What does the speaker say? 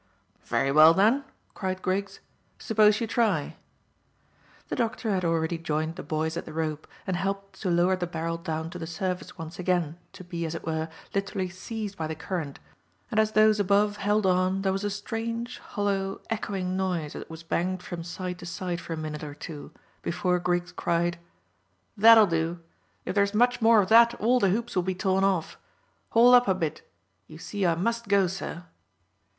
"Very well, then," cried Griggs. "Suppose you try." The doctor had already joined the boys at the rope and helped to lower the barrel down to the surface once again, to be, as it were, literally seized by the current; and as those above held on there was a strange, hollow, echoing noise as it was banged from side to side for a minute or two, before Griggs cried "That'll do. If there's much more of that all the hoops will be torn off. Haul up a bit. You see I must go, sir."